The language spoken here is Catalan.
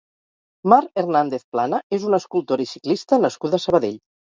Mar Hernandez Plana és una escultora i ciclista nascuda a Sabadell.